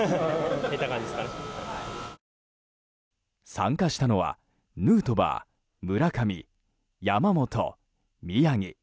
参加したのはヌートバー、村上、山本、宮城